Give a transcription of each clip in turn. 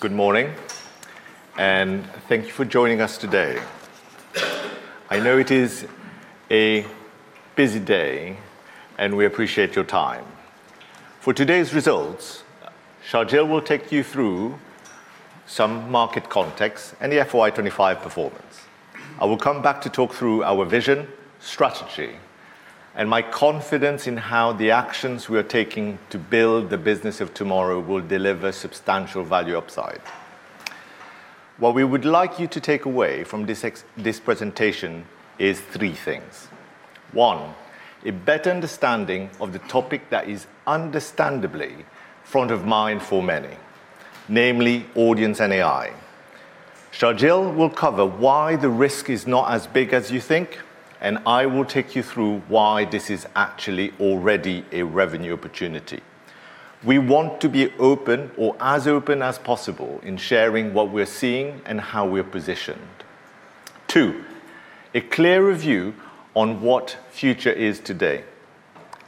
Good morning, and thank you for joining us today. I know it is a busy day, and we appreciate your time. For today's results, Sharjeel will take you through some market context and the FY 2025 performance. I will come back to talk through our vision, strategy, and my confidence in how the actions we are taking to build the business of tomorrow will deliver substantial value upside. What we would like you to take away from this presentation is three things. One, a better understanding of the topic that is understandably front of mind for many, namely audience and AI. Sharjeel will cover why the risk is not as big as you think, and I will take you through why this is actually already a revenue opportunity. We want to be open or as open as possible in sharing what we're seeing and how we're positioned. Two, a clear review on what Future is today.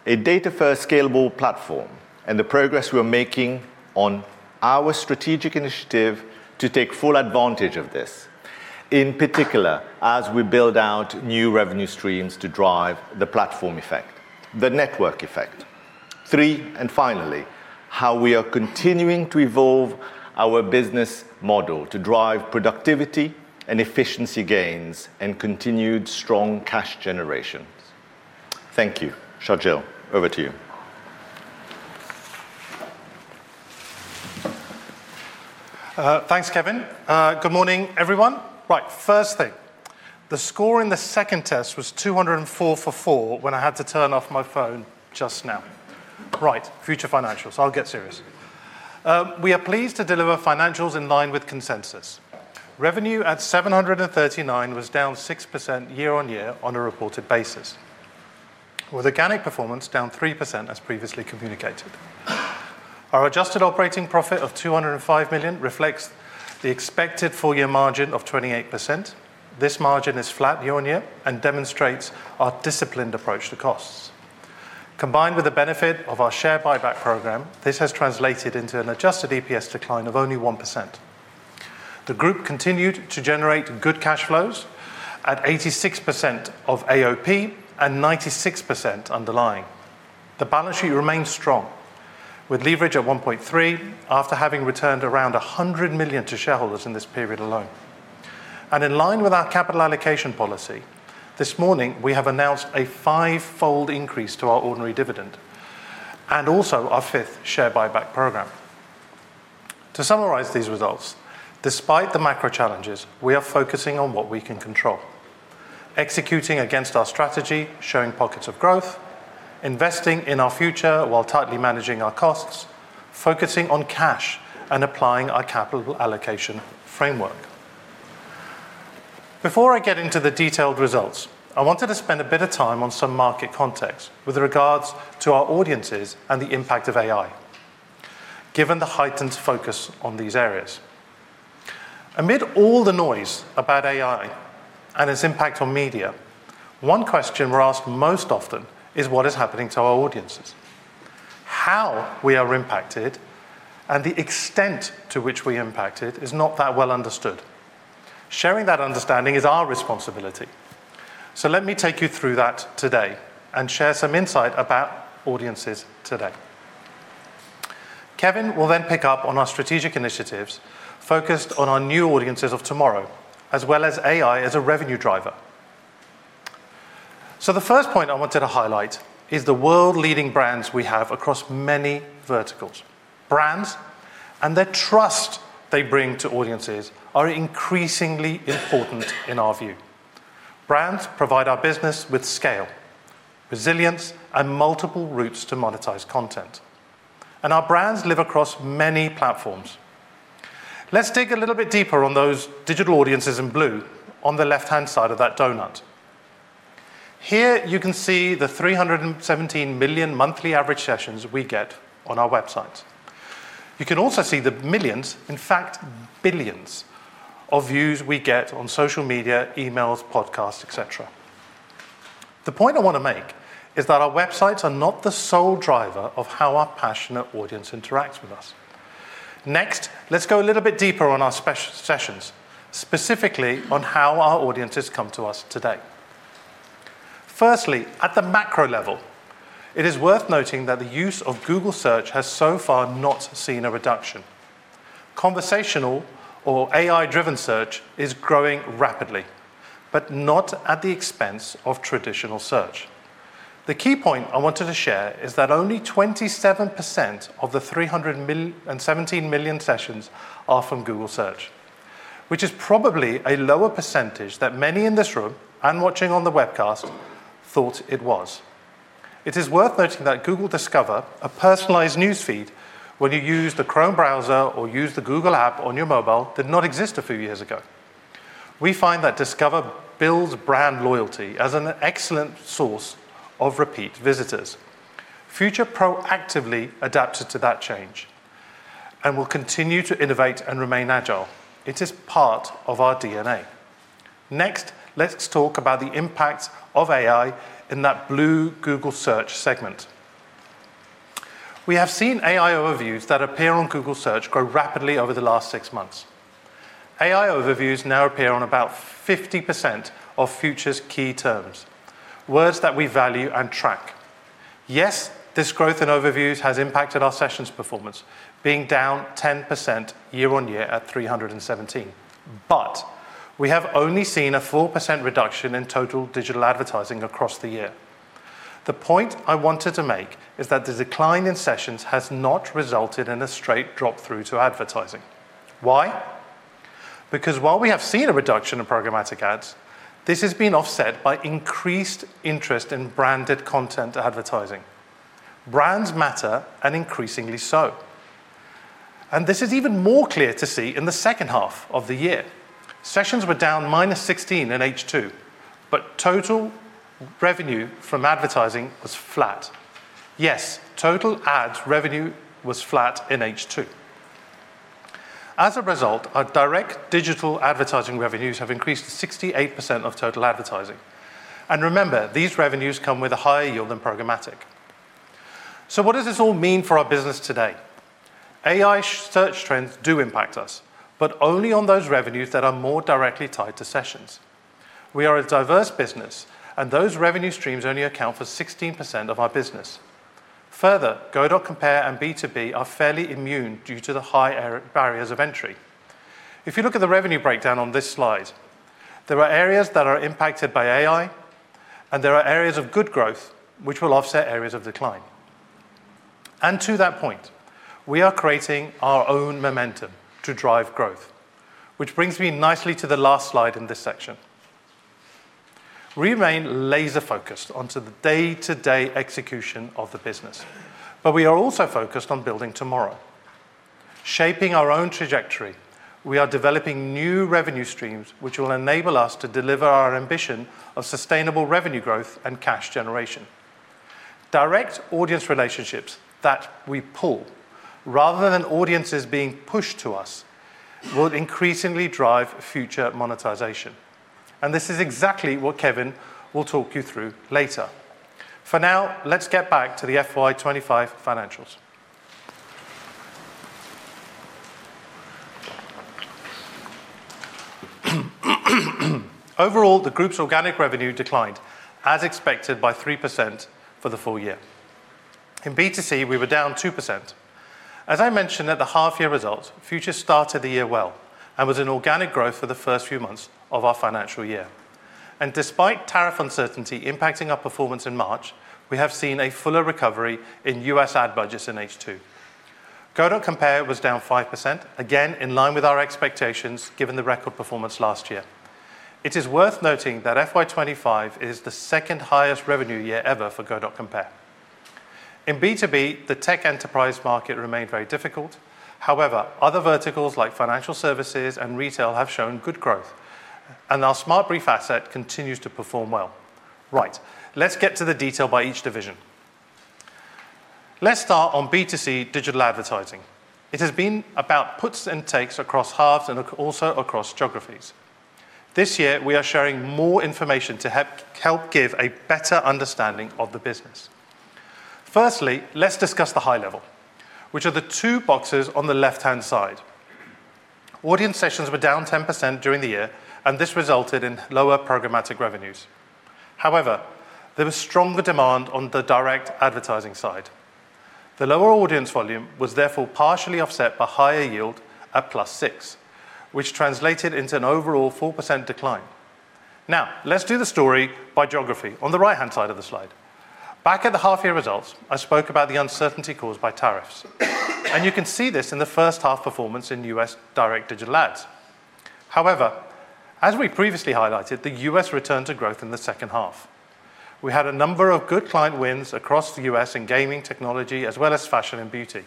A data-first scalable platform and the progress we are making on our strategic initiative to take full advantage of this, in particular as we build out new revenue streams to drive the platform effect, the network effect. Three, and finally, how we are continuing to evolve our business model to drive productivity and efficiency gains and continued strong cash generations. Thank you, Sharjeel. Over to you. Thanks, Kevin. Good morning, everyone. Right, first thing. The score in the second test was 204 for 4 when I had to turn off my phone just now. Right, Future financials. I'll get serious. We are pleased to deliver financials in line with consensus. Revenue at 739 million was down 6% year on year on a reported basis, with organic performance down 3% as previously communicated. Our adjusted operating profit of 205 million reflects the expected full-year margin of 28%. This margin is flat year on year and demonstrates our disciplined approach to costs. Combined with the benefit of our share buyback program, this has translated into an adjusted EPS decline of only 1%. The group continued to generate good cash flows at 86% of AOP and 96% underlying. The balance sheet remained strong, with leverage at 1.3x after having returned around 100 million to shareholders in this period alone. And in line with our capital allocation policy, this morning we have announced a five-fold increase to our ordinary dividend and also our fifth share buyback program. To summarize these results, despite the macro challenges, we are focusing on what we can control, executing against our strategy, showing pockets of growth, investing in our future while tightly managing our costs, focusing on cash and applying our capital allocation framework. Before I get into the detailed results, I wanted to spend a bit of time on some market context with regards to our audiences and the impact of AI, given the heightened focus on these areas. Amid all the noise about AI and its impact on media, one question we're asked most often is what is happening to our audiences. How we are impacted and the extent to which we are impacted is not that well understood. Sharing that understanding is our responsibility. Let me take you through that today and share some insight about audiences today. Kevin will then pick up on our strategic initiatives focused on our new audiences of tomorrow, as well as AI as a revenue driver. So the first point I wanted to highlight is the world-leading brands we have across many verticals. Brands and the trust they bring to audiences are increasingly important in our view. Brands provide our business with scale, resilience, and multiple routes to monetize content. And our brands live across many platforms. Let's dig a little bit deeper on those digital audiences in blue on the left-hand side of that donut. Here you can see the 317 million monthly average sessions we get on our website. You can also see the millions, in fact billions, of views we get on social media, emails, podcasts, etc. The point I want to make is that our websites are not the sole driver of how our passionate audience interacts with us. Next, let's go a little bit deeper on our sessions, specifically on how our audiences come to us today. Firstly, at the macro level, it is worth noting that the use of Google Search has so far not seen a reduction. Conversational or AI-driven search is growing rapidly, but not at the expense of traditional search. The key point I wanted to share is that only 27% of the 317 million sessions are from Google Search, which is probably a lower percentage than many in this room and watching on the webcast thought it was. It is worth noting that Google Discover, a personalized news feed when you use the Chrome browser or use the Google app on your mobile, did not exist a few years ago. We find that Discover builds brand loyalty as an excellent source of repeat visitors. Future proactively adapted to that change and will continue to innovate and remain agile. It is part of our DNA. Next, let's talk about the impact of AI in that blue Google Search segment. We have seen AI overviews that appear on Google Search grow rapidly over the last six months. AI overviews now appear on about 50% of Future's key terms, words that we value and track. Yes, this growth in overviews has impacted our sessions performance, being down 10% year on year at 317. But we have only seen a 4% reduction in total digital advertising across the year. The point I wanted to make is that the decline in sessions has not resulted in a straight drop through to advertising. Why? Because while we have seen a reduction in programmatic ads, this has been offset by increased interest in branded content advertising. Brands matter, and increasingly so. And this is even more clear to see in the second half of the year. Sessions were down -16% in H2, but total revenue from advertising was flat. Yes, total ad revenue was flat in H2. As a result, our direct digital advertising revenues have increased to 68% of total advertising. And remember, these revenues come with a higher yield than programmatic. So what does this all mean for our business today? AI search trends do impact us, but only on those revenues that are more directly tied to sessions. We are a diverse business, and those revenue streams only account for 16% of our business. Further, Go.Compare and B2B are fairly immune due to the high barriers of entry. If you look at the revenue breakdown on this slide, there are areas that are impacted by AI, and there are areas of good growth which will offset areas of decline. And to that point, we are creating our own momentum to drive growth, which brings me nicely to the last slide in this section. We remain laser-focused onto the day-to-day execution of the business, but we are also focused on building tomorrow. Shaping our own trajectory, we are developing new revenue streams which will enable us to deliver our ambition of sustainable revenue growth and cash generation. Direct audience relationships that we pull, rather than audiences being pushed to us, will increasingly drive future monetization. And this is exactly what Kevin will talk you through later. For now, let's get back to the FY 2025 financials. Overall, the group's organic revenue declined as expected by 3% for the full year. In B2C, we were down 2%. As I mentioned at the half-year result, Future started the year well and was in organic growth for the first few months of our financial year, and despite tariff uncertainty impacting our performance in March, we have seen a fuller recovery in U.S. ad budgets in H2. Go.Compare was down 5%, again in line with our expectations given the record performance last year. It is worth noting that FY 2025 is the second highest revenue year ever for Go.Compare. In B2B, the tech enterprise market remained very difficult. However, other verticals like financial services and retail have shown good growth, and our SmartBrief asset continues to perform well. Right, let's get to the detail by each division. Let's start on B2C digital advertising. It has been about puts and takes across halves and also across geographies. This year, we are sharing more information to help give a better understanding of the business. Firstly, let's discuss the high level, which are the two boxes on the left-hand side. Audience sessions were down 10% during the year, and this resulted in lower programmatic revenues. However, there was stronger demand on the direct advertising side. The lower audience volume was therefore partially offset by higher yield at +6%, which translated into an overall 4% decline. Now, let's do the story by geography on the right-hand side of the slide. Back at the half-year results, I spoke about the uncertainty caused by tariffs, and you can see this in the first-half performance in U.S. direct digital ads. However, as we previously highlighted, the U.S. returned to growth in the second half. We had a number of good client wins across the U.S. in gaming technology as well as fashion and beauty.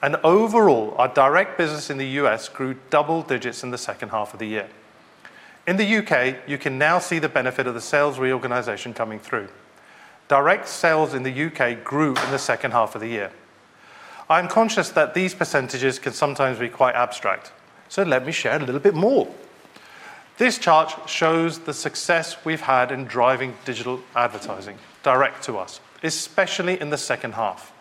And overall, our direct business in the U.S. grew double digits in the second half of the year. In the U.K., you can now see the benefit of the sales reorganization coming through. Direct sales in the U.K. grew in the second half of the year. I am conscious that these percentages can sometimes be quite abstract, so let me share a little bit more. This chart shows the success we've had in driving digital advertising direct to us, especially in the second half.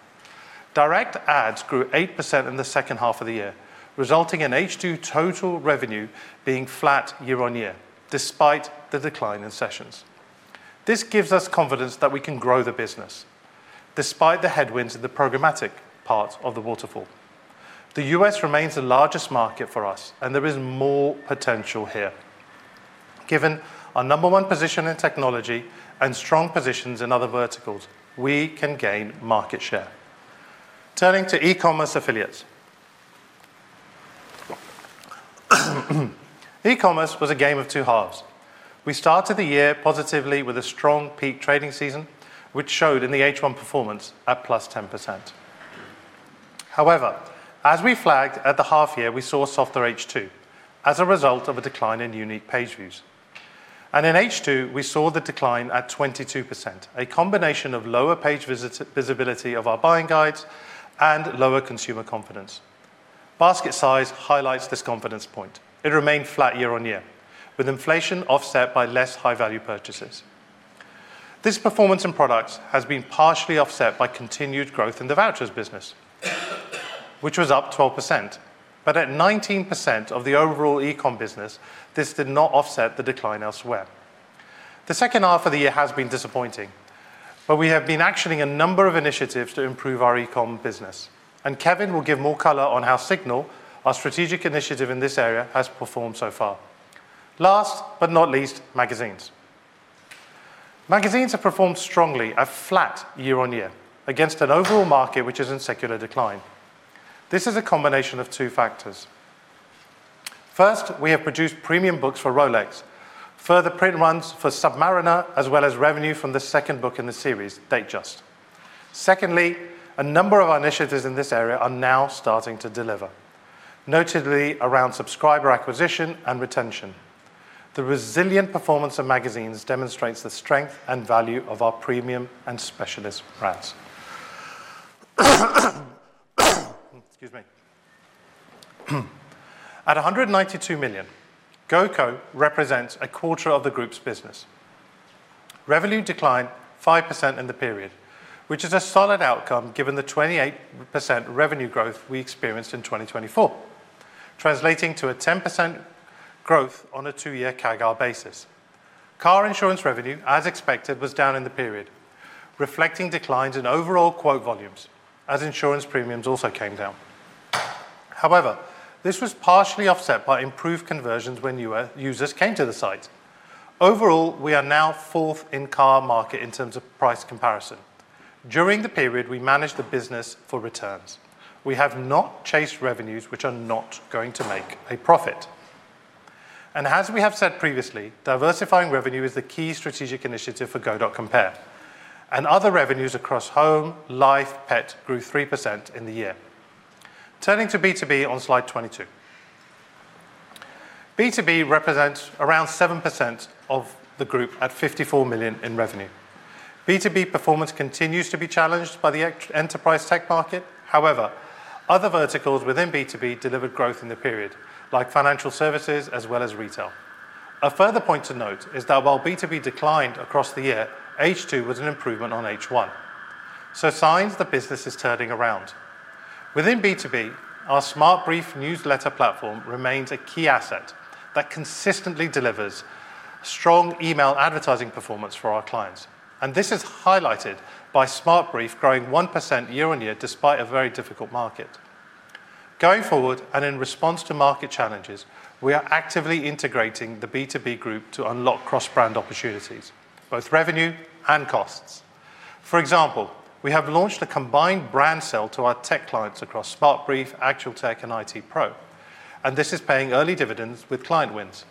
Direct ads grew 8% in the second half of the year, resulting in H2 total revenue being flat year on year despite the decline in sessions. This gives us confidence that we can grow the business despite the headwinds in the programmatic part of the waterfall. The U.S. remains the largest market for us, and there is more potential here. Given our number one position in technology and strong positions in other verticals, we can gain market share. Turning to eCommerce affiliates. eCommerce was a game of two halves. We started the year positively with a strong peak trading season, which showed in the H1 performance at +10%. However, as we flagged at the half-year, we saw a softer H2 as a result of a decline in unique page views. And in H2, we saw the decline at 22%, a combination of lower page visibility of our buying guides and lower consumer confidence. Basket size highlights this confidence point. It remained flat year on year, with inflation offset by less high-value purchases. This performance in products has been partially offset by continued growth in the vouchers business, which was up 12%. But at 19% of the overall e-Commerce business, this did not offset the decline elsewhere. The second half of the year has been disappointing, but we have been actioning a number of initiatives to improve our eCommerce business. And Kevin will give more color on how Signal, our strategic initiative in this area, has performed so far. Last but not least, magazines. Magazines have performed strongly at flat year on year against an overall market which is in secular decline. This is a combination of two factors. First, we have produced premium books for Rolex, further print runs for Submariner, as well as revenue from the second book in the series, Datejust. Secondly, a number of our initiatives in this area are now starting to deliver, notably around subscriber acquisition and retention. The resilient performance of magazines demonstrates the strength and value of our premium and specialist brands. At 192 million, Go.Compare represents a quarter of the group's business. Revenue declined 5% in the period, which is a solid outcome given the 28% revenue growth we experienced in 2024, translating to a 10% growth on a two-year CAGR basis. Car insurance revenue, as expected, was down in the period, reflecting declines in overall quote volumes as insurance premiums also came down. However, this was partially offset by improved conversions when newer users came to the site. Overall, we are now fourth in car market in terms of price comparison. During the period, we managed the business for returns. We have not chased revenues which are not going to make a profit. And as we have said previously, diversifying revenue is the key strategic initiative for Go.Compare. And other revenues across home, life, pet grew 3% in the year. Turning to B2B on slide 22. B2B represents around 7% of the group at 54 million in revenue. B2B performance continues to be challenged by the enterprise tech market. However, other verticals within B2B delivered growth in the period, like financial services as well as retail. A further point to note is that while B2B declined across the year, H2 was an improvement on H1, so signs the business is turning around. Within B2B, our SmartBrief newsletter platform remains a key asset that consistently delivers strong email advertising performance for our clients, and this is highlighted by SmartBrief growing 1% year on year despite a very difficult market. Going forward and in response to market challenges, we are actively integrating the B2B group to unlock cross-brand opportunities, both revenue and costs. For example, we have launched a combined brand sale to our tech clients across SmartBrief, ActualTech, and IT Pro, and this is paying early dividends with client wins.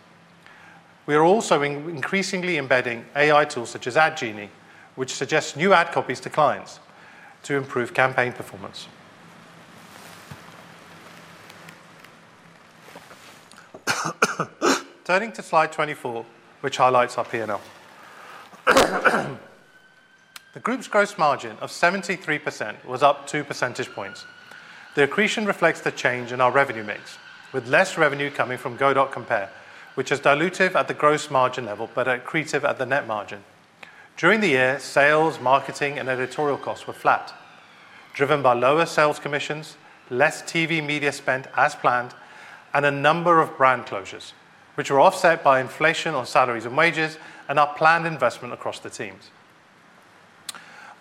We are also increasingly embedding AI tools such as AdGenie, which suggests new ad copies to clients to improve campaign performance. Turning to slide 24, which highlights our P&L. The group's gross margin of 73% was up 2 percentage points. The accretion reflects the change in our revenue mix, with less revenue coming from Go.Compare, which is dilutive at the gross margin level but accretive at the net margin. During the year, sales, marketing, and editorial costs were flat, driven by lower sales commissions, less TV media spent as planned, and a number of brand closures, which were offset by inflation on salaries and wages and our planned investment across the teams.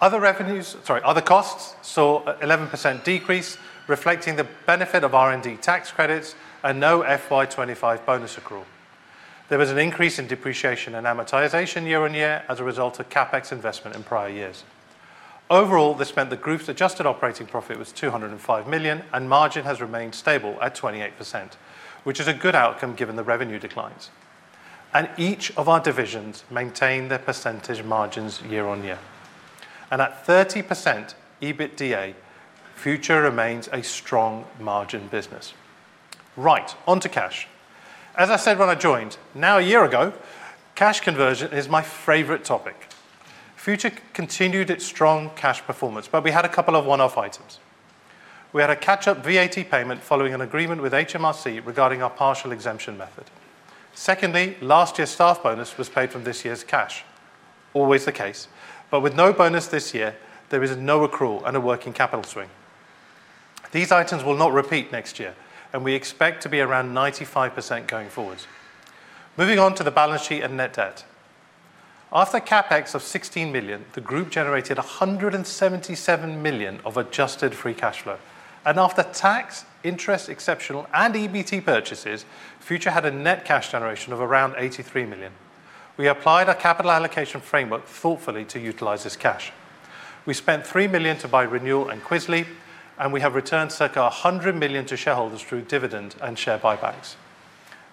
Other revenues, sorry, other costs saw an 11% decrease, reflecting the benefit of R&D tax credits and no FY 2025 bonus accrual. There was an increase in depreciation and amortization year on year as a result of CapEx investment in prior years. Overall, this meant the group's adjusted operating profit was 205 million, and margin has remained stable at 28%, which is a good outcome given the revenue declines. And each of our divisions maintained their percentage margins year on year. And at 30% EBITDA, Future remains a strong margin business. Right, on to cash. As I said when I joined, now a year ago, cash conversion is my favorite topic. Future continued its strong cash performance, but we had a couple of one-off items. We had a catch-up VAT payment following an agreement with HMRC regarding our partial exemption method. Secondly, last year's staff bonus was paid from this year's cash. Always the case, but with no bonus this year, there is no accrual and a working capital swing. These items will not repeat next year, and we expect to be around 95% going forward. Moving on to the balance sheet and net debt. After CapEx of 16 million, the group generated 177 million of adjusted free cash flow. And after tax, interest, exceptional, and EBT purchases, Future had a net cash generation of around 83 million. We applied our capital allocation framework thoughtfully to utilize this cash. We spent 3 million to buy Renewal and Quizly, and we have returned circa 100 million to shareholders through dividend and share buybacks.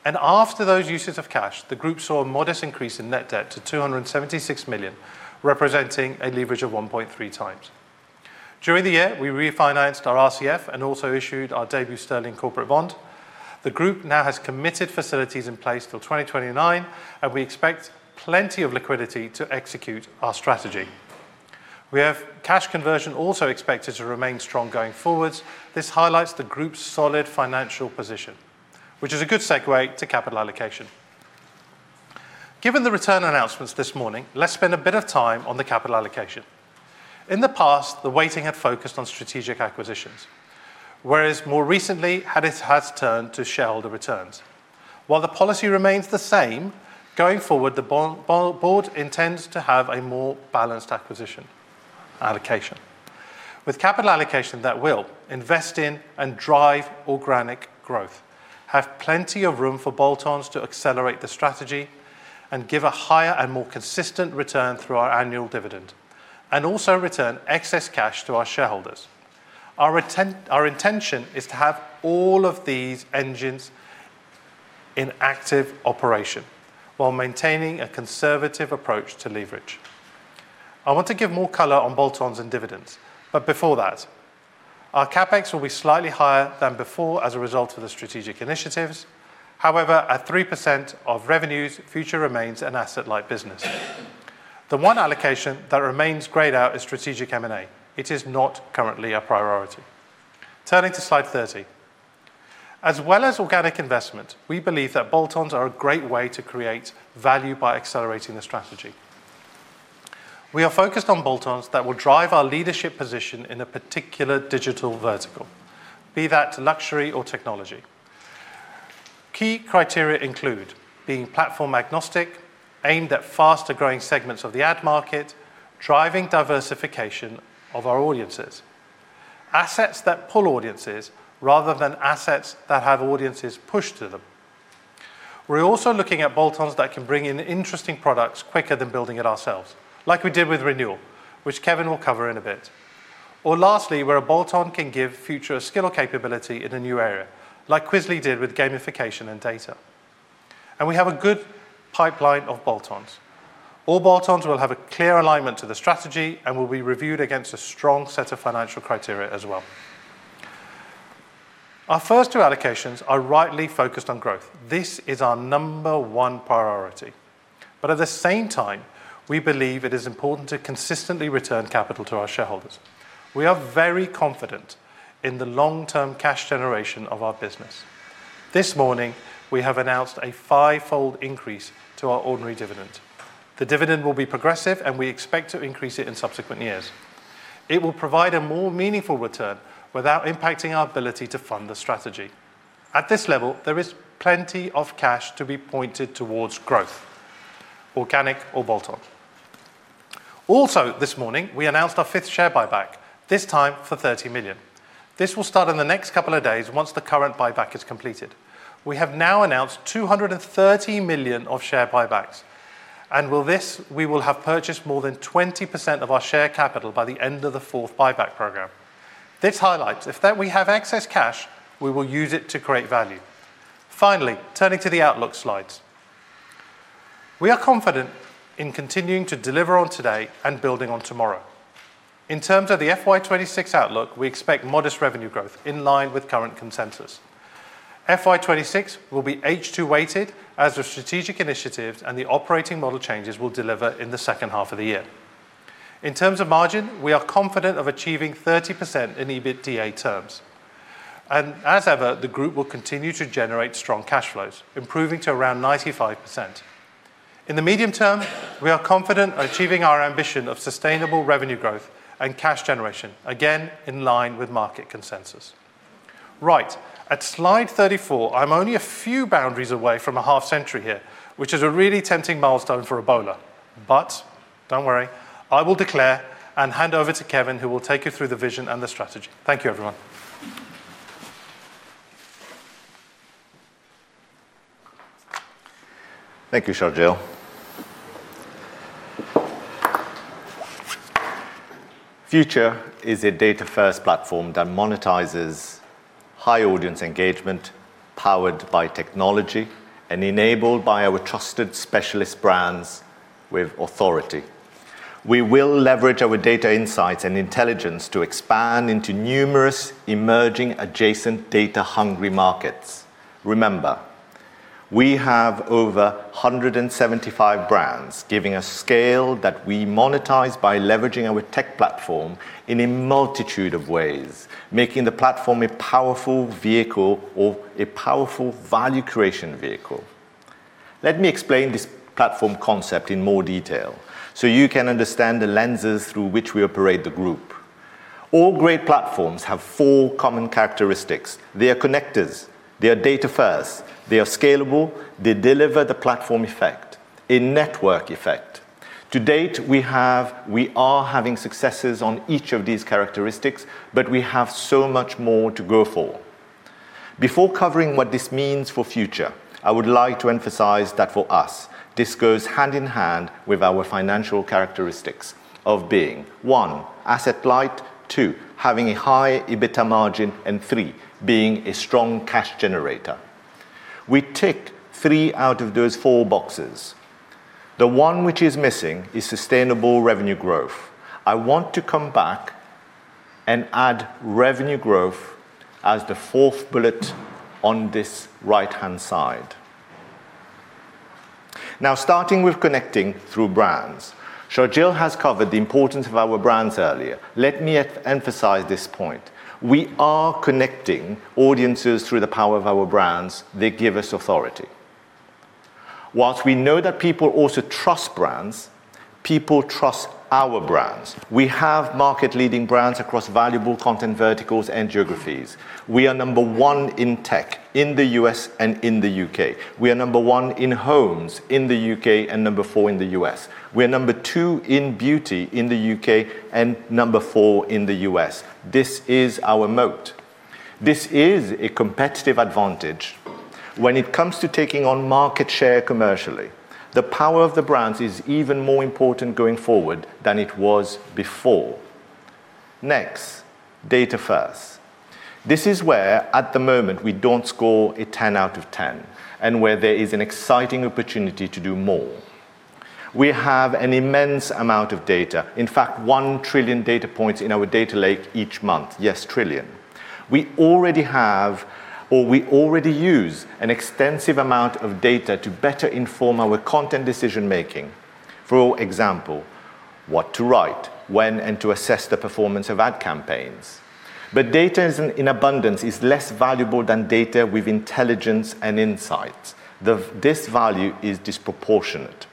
And after those uses of cash, the group saw a modest increase in net debt to 276 million, representing a leverage of 1.3x. During the year, we refinanced our RCF and also issued our debut sterling corporate bond. The group now has committed facilities in place till 2029, and we expect plenty of liquidity to execute our strategy. We have cash conversion also expected to remain strong going forwards. This highlights the group's solid financial position, which is a good segue to capital allocation. Given the return announcements this morning, let's spend a bit of time on the capital allocation. In the past, the weighting had focused on strategic acquisitions, whereas more recently, it has turned to shareholder returns. While the policy remains the same, going forward, the board intends to have a more balanced acquisition allocation. With capital allocation, that will invest in and drive organic growth, have plenty of room for bolt-ons to accelerate the strategy, and give a higher and more consistent return through our annual dividend, and also return excess cash to our shareholders. Our intention is to have all of these engines in active operation while maintaining a conservative approach to leverage. I want to give more color on bolt-ons and dividends, but before that, our CapEx will be slightly higher than before as a result of the strategic initiatives. However, at 3% of revenues, Future remains an asset-like business. The one allocation that remains grayed out is strategic M&A. It is not currently a priority. Turning to slide 30. As well as organic investment, we believe that bolt-ons are a great way to create value by accelerating the strategy. We are focused on bolt-ons that will drive our leadership position in a particular digital vertical, be that luxury or technology. Key criteria include being platform agnostic, aimed at faster-growing segments of the ad market, driving diversification of our audiences, assets that pull audiences rather than assets that have audiences pushed to them. We're also looking at bolt-ons that can bring in interesting products quicker than building it ourselves, like we did with Renewal, which Kevin will cover in a bit, or lastly, where a bolt-on can give Future a skill or capability in a new area, like Quizly did with gamification and data, and we have a good pipeline of bolt-ons. All bolt-ons will have a clear alignment to the strategy and will be reviewed against a strong set of financial criteria as well. Our first two allocations are rightly focused on growth. This is our number one priority. But at the same time, we believe it is important to consistently return capital to our shareholders. We are very confident in the long-term cash generation of our business. This morning, we have announced a five-fold increase to our ordinary dividend. The dividend will be progressive, and we expect to increase it in subsequent years. It will provide a more meaningful return without impacting our ability to fund the strategy. At this level, there is plenty of cash to be pointed towards growth, organic or bolt-on. Also, this morning, we announced our fifth share buyback, this time for 30 million. This will start in the next couple of days once the current buyback is completed. We have now announced 230 million of share buybacks. And with this, we will have purchased more than 20% of our share capital by the end of the fourth buyback program. This highlights that if we have excess cash, we will use it to create value. Finally, turning to the outlook slides. We are confident in continuing to deliver on today and building on tomorrow. In terms of the FY26 outlook, we expect modest revenue growth in line with current consensus. FY 2026 will be H2-weighted as the strategic initiatives and the operating model changes will deliver in the second half of the year. In terms of margin, we are confident of achieving 30% in EBITDA terms. And as ever, the group will continue to generate strong cash flows, improving to around 95%. In the medium term, we are confident of achieving our ambition of sustainable revenue growth and cash generation, again in line with market consensus. Right, at slide 34, I'm only a few boundaries away from a half-century here, which is a really tempting milestone for the bowler. But don't worry, I will declare and hand over to Kevin, who will take you through the vision and the strategy. Thank you, everyone. Thank you, Sharjeel. Future is a data-first platform that monetizes high audience engagement, powered by technology and enabled by our trusted specialist brands with authority. We will leverage our data insights and intelligence to expand into numerous emerging adjacent data-hungry markets. Remember, we have over 175 brands giving us scale that we monetize by leveraging our tech platform in a multitude of ways, making the platform a powerful vehicle or a powerful value-creation vehicle. Let me explain this platform concept in more detail so you can understand the lenses through which we operate the group. All great platforms have four common characteristics. They are connectors. They are data-first. They are scalable. They deliver the platform effect, a network effect. To date, we are having successes on each of these characteristics, but we have so much more to go for. Before covering what this means for Future, I would like to emphasize that for us, this goes hand in hand with our financial characteristics of being, one, asset-light, two, having a high EBITDA margin, and three, being a strong cash generator. We tick three out of those four boxes. The one which is missing is sustainable revenue growth. I want to come back and add revenue growth as the fourth bullet on this right-hand side. Now, starting with connecting through brands, Sharjeel has covered the importance of our brands earlier. Let me emphasize this point. We are connecting audiences through the power of our brands. They give us authority. While we know that people also trust brands, people trust our brands. We have market-leading brands across valuable content verticals and geographies. We are number one in tech in the U.S. and in the U.K. We are number one in homes in the U.K. and number four in the U.S. We are number two in beauty in the U.K. and number four in the U.S. This is our moat. This is a competitive advantage when it comes to taking on market share commercially. The power of the brands is even more important going forward than it was before. Next, data-first. This is where, at the moment, we don't score a 10/10 and where there is an exciting opportunity to do more. We have an immense amount of data, in fact, one trillion data points in our data lake each month. Yes, trillion. We already use an extensive amount of data to better inform our content decision-making, for example, what to write, when, and to assess the performance of ad campaigns. But data in abundance is less valuable than data with intelligence and insights. This value is disproportionate.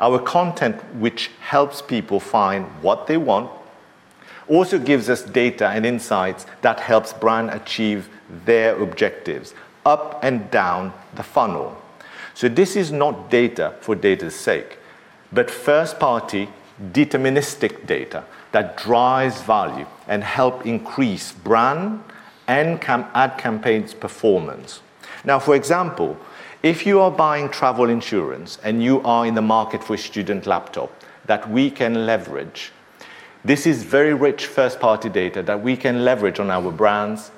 Our content, which helps people find what they want, also gives us data and insights that helps brands achieve their objectives up and down the funnel. So this is not data for data's sake, but first-party deterministic data that drives value and helps increase brand and ad campaigns' performance. Now, for example, if you are buying travel insurance and you are in the market for a student laptop that we can leverage, this is very rich first-party data that we can leverage on our brands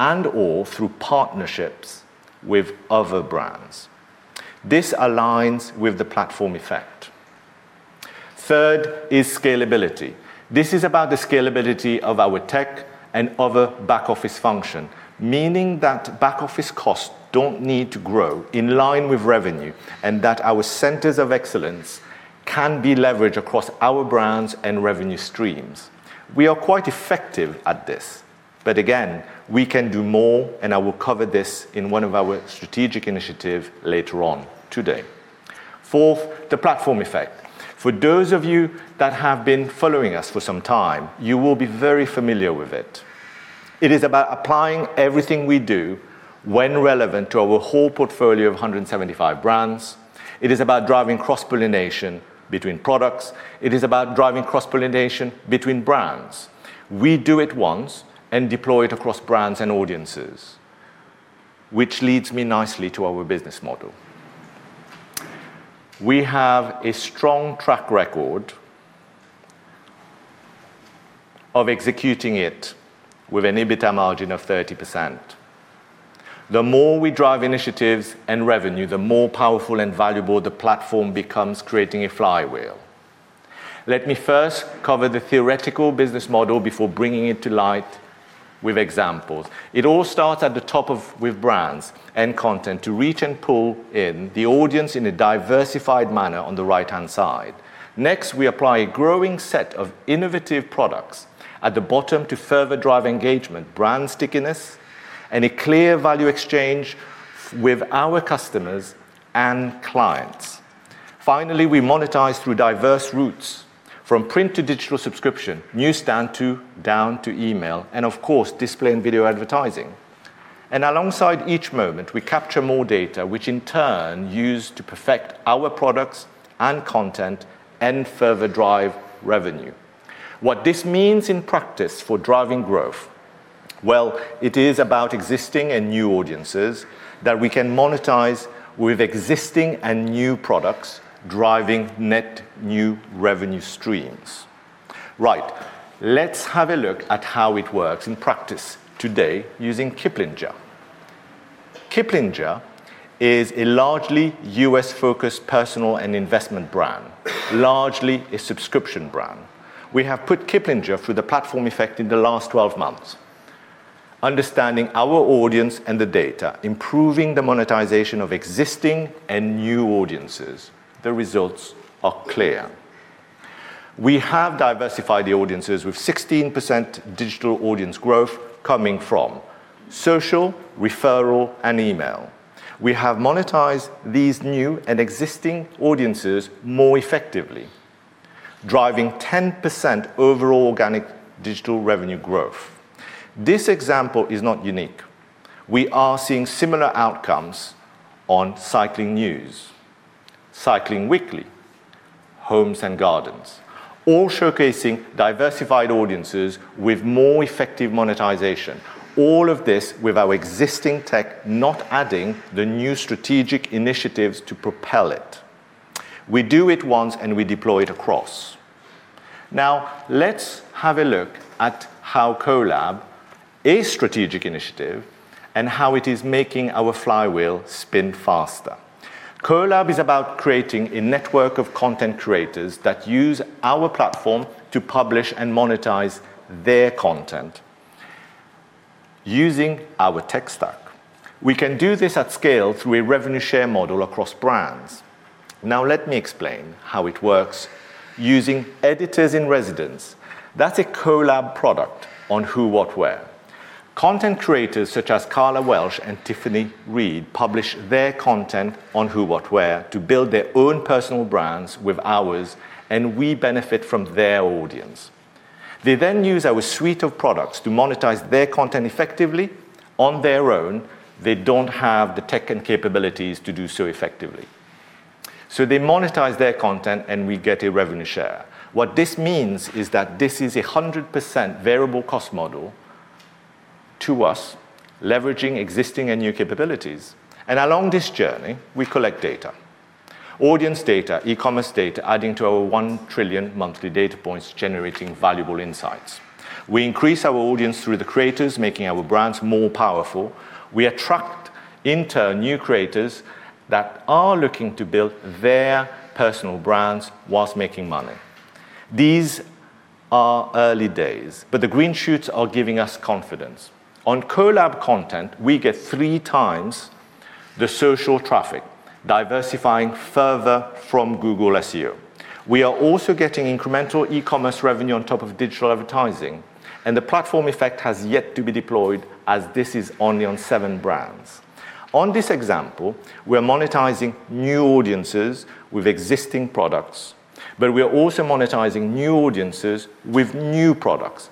and/or through partnerships with other brands. This aligns with the platform effect. Third is scalability. This is about the scalability of our tech and other back-office functions, meaning that back-office costs don't need to grow in line with revenue and that our centers of excellence can be leveraged across our brands and revenue streams. We are quite effective at this, but again, we can do more, and I will cover this in one of our strategic initiatives later on today. Fourth, the platform effect. For those of you that have been following us for some time, you will be very familiar with it. It is about applying everything we do when relevant to our whole portfolio of 175 brands. It is about driving cross-pollination between products. It is about driving cross-pollination between brands. We do it once and deploy it across brands and audiences, which leads me nicely to our business model. We have a strong track record of executing it with an EBITDA margin of 30%. The more we drive initiatives and revenue, the more powerful and valuable the platform becomes, creating a flywheel. Let me first cover the theoretical business model before bringing it to light with examples. It all starts at the top with brands and content to reach and pull in the audience in a diversified manner on the right-hand side. Next, we apply a growing set of innovative products at the bottom to further drive engagement, brand stickiness, and a clear value exchange with our customers and clients. Finally, we monetize through diverse routes, from print to digital subscription, newsstand to down to email, and of course, display and video advertising, and alongside each moment, we capture more data, which in turn is used to perfect our products and content and further drive revenue. What this means in practice for driving growth? Well, it is about existing and new audiences that we can monetize with existing and new products driving net new revenue streams. Right, let's have a look at how it works in practice today using Kiplinger. Kiplinger is a largely U.S.-focused personal and investment brand, largely a subscription brand. We have put Kiplinger through the platform effect in the last 12 months. Understanding our audience and the data, improving the monetization of existing and new audiences, the results are clear. We have diversified the audiences with 16% digital audience growth coming from social, referral, and email. We have monetized these new and existing audiences more effectively, driving 10% overall organic digital revenue growth. This example is not unique. We are seeing similar outcomes on Cycling News, Cycling Weekly, Homes & Gardens, all showcasing diversified audiences with more effective monetization. All of this with our existing tech not adding the new strategic initiatives to propel it. We do it once, and we deploy it across. Now, let's have a look at how Collab, a strategic initiative, and how it is making our flywheel spin faster. Collab is about creating a network of content creators that use our platform to publish and monetize their content using our tech stack. We can do this at scale through a revenue share model across brands. Now, let me explain how it works using Editors in Residence. That's a Collab product on Who What Wear. Content creators such as Karla Welch and Tiffany Reed publish their content on Who What Wear to build their own personal brands with ours, and we benefit from their audience. They then use our suite of products to monetize their content effectively on their own. They don't have the tech and capabilities to do so effectively, so they monetize their content, and we get a revenue share. What this means is that this is a 100% variable cost model to us, leveraging existing and new capabilities, and along this journey, we collect data, audience data, e-commerce data, adding to our 1 trillion monthly data points, generating valuable insights. We increase our audience through the creators, making our brands more powerful. We attract, in turn, new creators that are looking to build their personal brands whilst making money. These are early days, but the green shoots are giving us confidence. On Collab content, we get 3x the social traffic, diversifying further from Google SEO. We are also getting incremental eCommerce revenue on top of digital advertising, and the platform effect has yet to be deployed as this is only on seven brands. On this example, we are monetizing new audiences with existing products, but we are also monetizing new audiences with new products.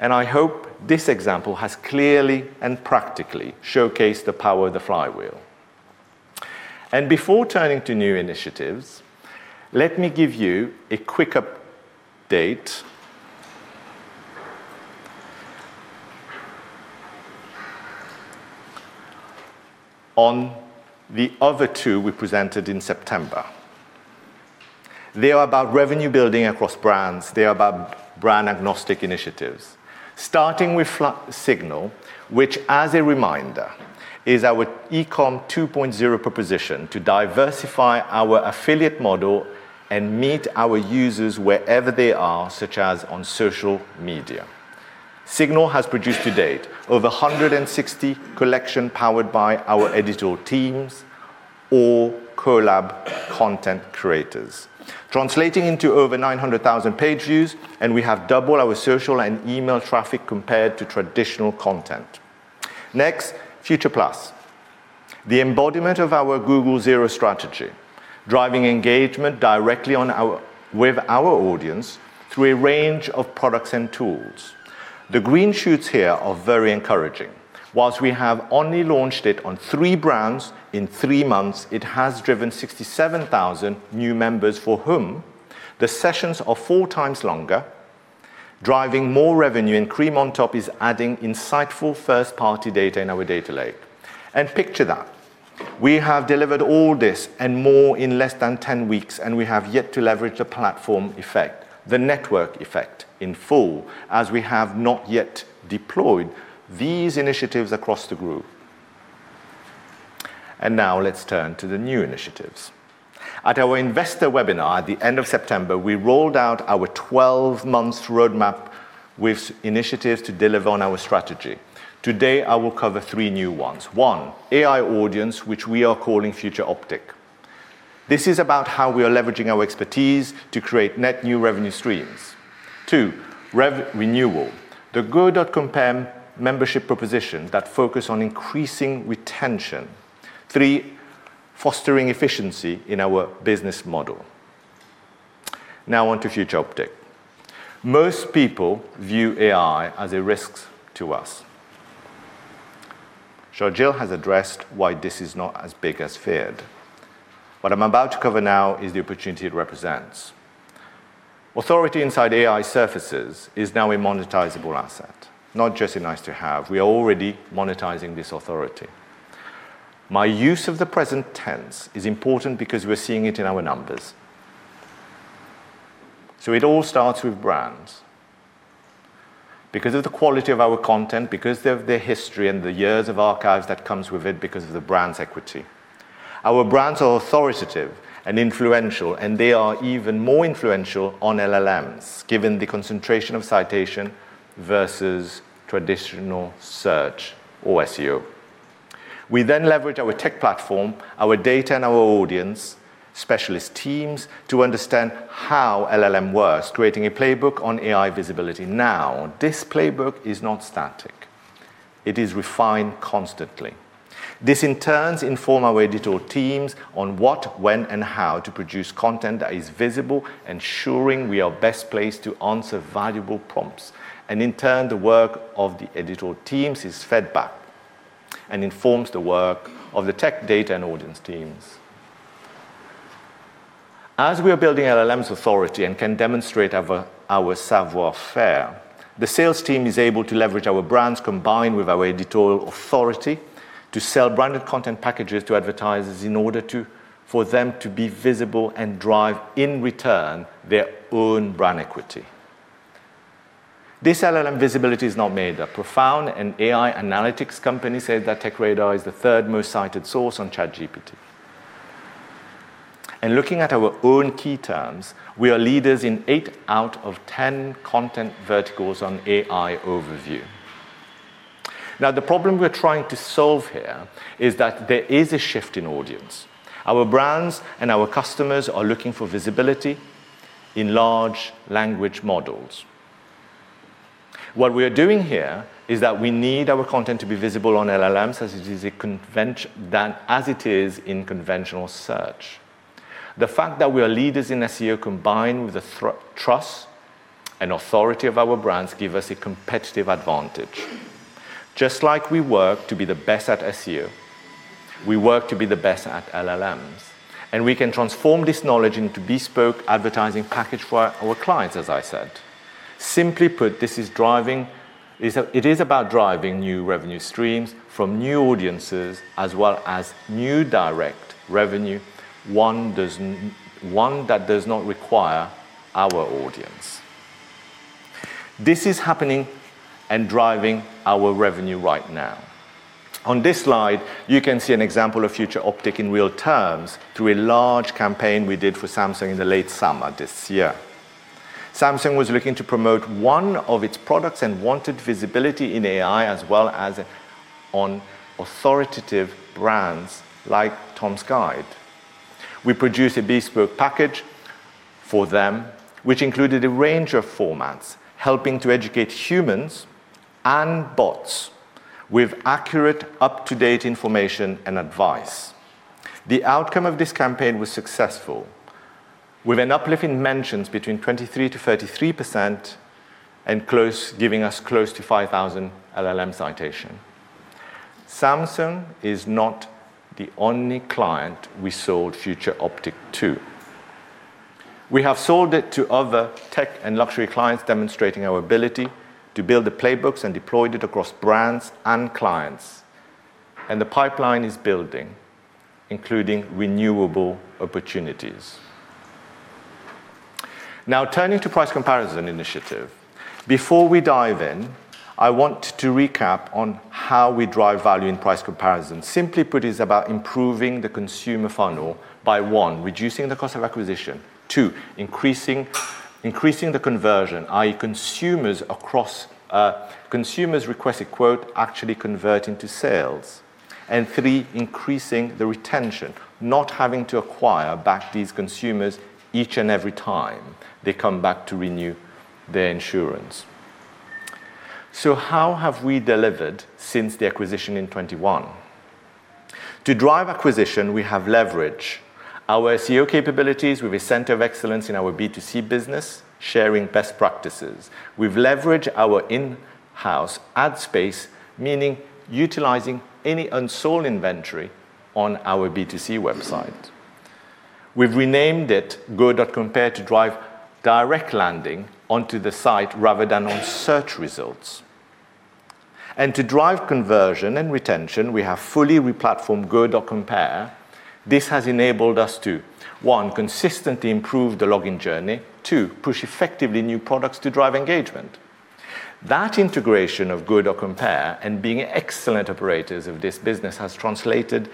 I hope this example has clearly and practically showcased the power of the flywheel. Before turning to new initiatives, let me give you a quick update on the other two we presented in September. They are about revenue building across brands. They are about brand-agnostic initiatives, starting with Signal, which, as a reminder, is our eCommerce 2.0 proposition to diversify our affiliate model and meet our users wherever they are, such as on social media. Signal has produced to date over 160 collections powered by our editorial teams or Collab content creators, translating into over 900,000 page views, and we have doubled our social and email traffic compared to traditional content. Next, Future+, the embodiment of our Google Zero strategy, driving engagement directly with our audience through a range of products and tools. The green shoots here are very encouraging. While we have only launched it on three brands in three months, it has driven 67,000 new members for whom the sessions are four times longer, driving more revenue, and Cream on Top is adding insightful first-party data in our data lake. And picture that. We have delivered all this and more in less than 10 weeks, and we have yet to leverage the platform effect, the network effect in full, as we have not yet deployed these initiatives across the group. And now, let's turn to the new initiatives. At our investor webinar at the end of September, we rolled out our 12-month roadmap with initiatives to deliver on our strategy. Today, I will cover three new ones. One, AI Audience, which we are calling Future Optic. This is about how we are leveraging our expertise to create net new revenue streams. Two, Renewal, the Go.Compare membership propositions that focus on increasing retention. Three, fostering efficiency in our business model. Now, onto Future Optic. Most people view AI as a risk to us. Sharjeel has addressed why this is not as big as feared. What I'm about to cover now is the opportunity it represents. Authority inside AI surfaces is now a monetizable asset, not just a nice-to-have. We are already monetizing this authority. My use of the present tense is important because we're seeing it in our numbers. So it all starts with brands because of the quality of our content, because of the history and the years of archives that come with it, because of the brand's equity. Our brands are authoritative and influential, and they are even more influential on LLMs, given the concentration of citation versus traditional search or SEO. We then leverage our tech platform, our data, and our audience specialist teams to understand how LLM works, creating a playbook on AI visibility. Now, this playbook is not static. It is refined constantly. This, in turn, informs our editorial teams on what, when, and how to produce content that is visible, ensuring we are best placed to answer valuable prompts. And in turn, the work of the editorial teams is fed back and informs the work of the tech, data, and audience teams. As we are building LLMs' authority and can demonstrate our savoir-faire, the sales team is able to leverage our brands combined with our editorial authority to sell branded content packages to advertisers in order for them to be visible and drive, in return, their own brand equity. This LLM visibility is not made up. Profound and AI analytics companies say that TechRadar is the third most cited source on ChatGPT, and looking at our own key terms, we are leaders in 8/10 content verticals on AI overview. Now, the problem we're trying to solve here is that there is a shift in audience. Our brands and our customers are looking for visibility in large language models. What we are doing here is that we need our content to be visible on LLMs as it is in conventional search. The fact that we are leaders in SEO combined with the trust and authority of our brands gives us a competitive advantage. Just like we work to be the best at SEO, we work to be the best at LLMs, and we can transform this knowledge into bespoke advertising packages for our clients, as I said. Simply put, this is about driving new revenue streams from new audiences as well as new direct revenue, one that does not require our audience. This is happening and driving our revenue right now. On this slide, you can see an example of Future Optic in real terms through a large campaign we did for Samsung in the late summer this year. Samsung was looking to promote one of its products and wanted visibility in AI as well as on authoritative brands like Tom's Guide. We produced a bespoke package for them, which included a range of formats, helping to educate humans and bots with accurate, up-to-date information and advice. The outcome of this campaign was successful, with uplifting mentions between 23%-33%, giving us close to 5,000 LLM citations. Samsung is not the only client we sold Future Optic to. We have sold it to other tech and luxury clients, demonstrating our ability to build the playbooks and deploy it across brands and clients. And the pipeline is building, including renewable opportunities. Now, turning to price comparison initiative, before we dive in, I want to recap on how we drive value in price comparison. Simply put, it is about improving the consumer funnel by, one, reducing the cost of acquisition, two, increasing the conversion, i.e., consumers request a quote actually convert into sales, and three, increasing the retention, not having to acquire back these consumers each and every time they come back to renew their insurance, so how have we delivered since the acquisition in 2021? To drive acquisition, we have leveraged our SEO capabilities with a center of excellence in our B2C business, sharing best practices. We've leveraged our in-house ad space, meaning utilizing any unsold inventory on our B2C website. We've renamed it Go.Compare to drive direct landing onto the site rather than on search results, and to drive conversion and retention, we have fully replatformed Go.Compare. This has enabled us to, one, consistently improve the login journey, two, push effectively new products to drive engagement. That integration of Go.Compare and being excellent operators of this business has translated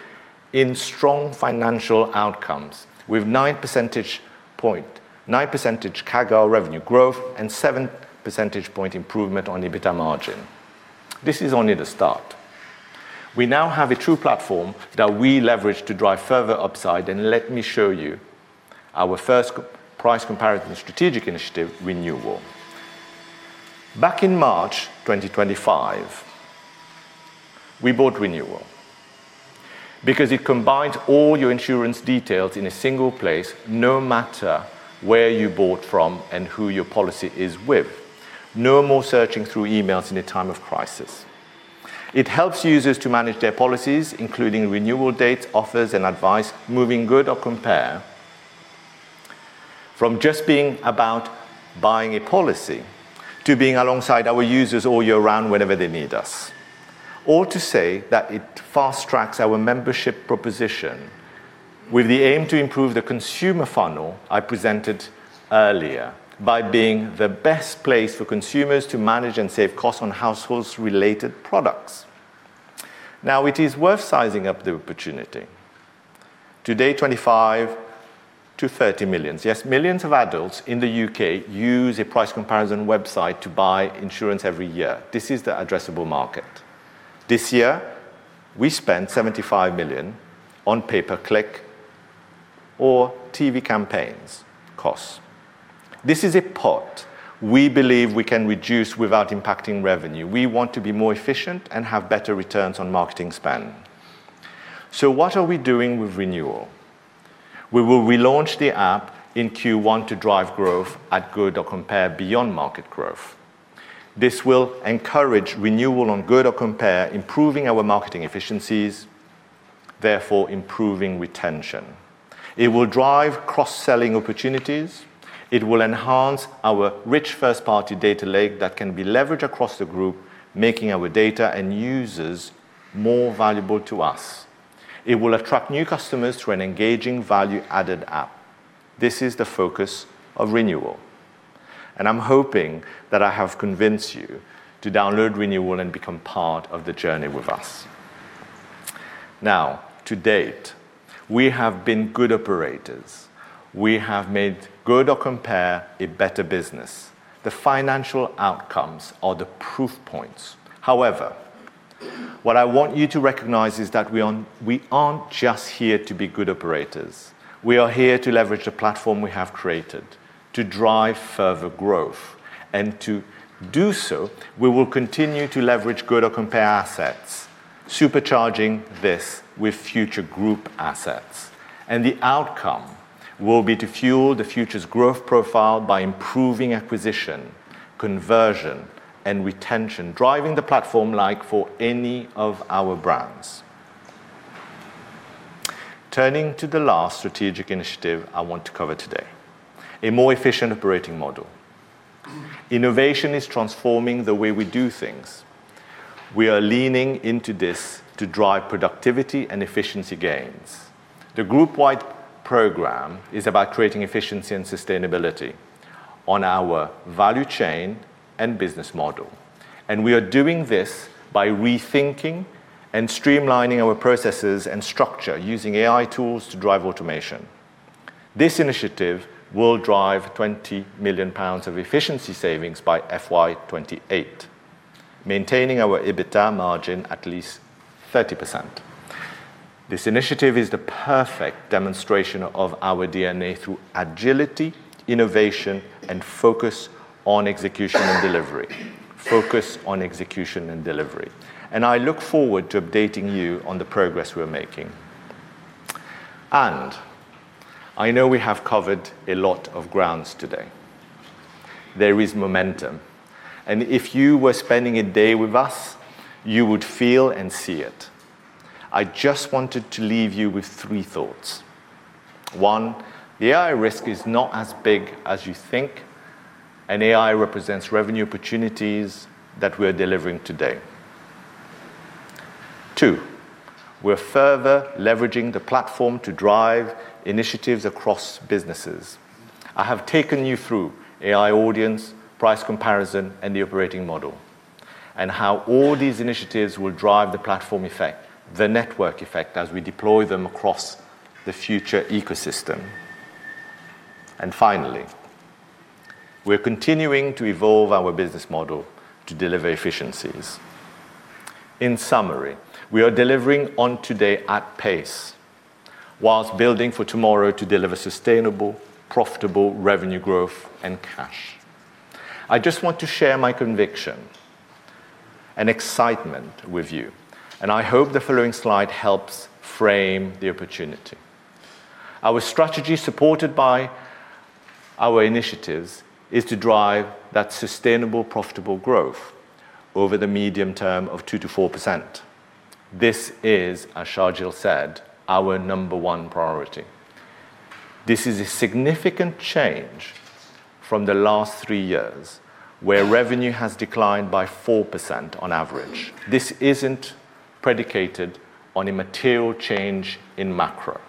in strong financial outcomes with 9 percentage points, 9% CAGR revenue growth, and 7 percentage points improvement on EBITDA margin. This is only the start. We now have a true platform that we leverage to drive further upside. Let me show you our first price comparison strategic initiative, Renewal. Back in March 2025, we bought Renewal because it combines all your insurance details in a single place, no matter where you bought from and who your policy is with. No more searching through emails in a time of crisis. It helps users to manage their policies, including renewal dates, offers, and advice, moving Go.Compare, from just being about buying a policy to being alongside our users all year round whenever they need us. All to say that it fast-tracks our membership proposition with the aim to improve the consumer funnel I presented earlier by being the best place for consumers to manage and save costs on household-related products. Now, it is worth sizing up the opportunity. Today, 25 million-30 million adults in the U.K. use a price comparison website to buy insurance every year. This is the addressable market. This year, we spent 75 million on pay-per-click or TV campaigns costs. This is a pot we believe we can reduce without impacting revenue. We want to be more efficient and have better returns on marketing spend. So what are we doing with Renewal? We will relaunch the app in Q1 to drive growth at Go.Compare beyond market growth. This will encourage renewal on Go.Compare, improving our marketing efficiencies, therefore improving retention. It will drive cross-selling opportunities. It will enhance our rich first-party data lake that can be leveraged across the group, making our data and users more valuable to us. It will attract new customers to an engaging value-added app. This is the focus of Renewal. I'm hoping that I have convinced you to download Renewal and become part of the journey with us. Now, to date, we have been good operators. We have made Go.Compare a better business. The financial outcomes are the proof points. However, what I want you to recognize is that we aren't just here to be good operators. We are here to leverage the platform we have created to drive further growth. To do so, we will continue to leverage Go.Compare assets, supercharging this with Future group assets. The outcome will be to fuel Future's growth profile by improving acquisition, conversion, and retention, driving the platform effect for any of our brands. Turning to the last strategic initiative I want to cover today, a more efficient operating model. Innovation is transforming the way we do things. We are leaning into this to drive productivity and efficiency gains. The group-wide program is about creating efficiency and sustainability on our value chain and business model. We are doing this by rethinking and streamlining our processes and structure using AI tools to drive automation. This initiative will drive 20 million pounds of efficiency savings by FY 2028, maintaining our EBITDA margin at least 30%. This initiative is the perfect demonstration of our DNA through agility, innovation, and focus on execution and delivery. Focus on execution and delivery. I look forward to updating you on the progress we're making. I know we have covered a lot of ground today. There is momentum. If you were spending a day with us, you would feel and see it. I just wanted to leave you with three thoughts. One, the AI risk is not as big as you think, and AI represents revenue opportunities that we are delivering today. Two, we're further leveraging the platform to drive initiatives across businesses. I have taken you through AI Audience, price comparison, and the operating model, and how all these initiatives will drive the platform effect, the network effect as we deploy them across the Future ecosystem. Finally, we're continuing to evolve our business model to deliver efficiencies. In summary, we are delivering on today at pace whilst building for tomorrow to deliver sustainable, profitable revenue growth and cash. I just want to share my conviction and excitement with you. And I hope the following slide helps frame the opportunity. Our strategy supported by our initiatives is to drive that sustainable, profitable growth over the medium term of 2%-4%. This is, as Sharjeel said, our number one priority. This is a significant change from the last three years where revenue has declined by 4% on average. This isn't predicated on a material change in macro.